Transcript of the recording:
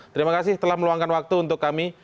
terima kasih telah meluangkan waktu untuk kami